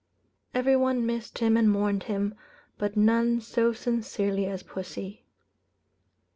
Every one missed and mourned him, but none so sincerely as pussy.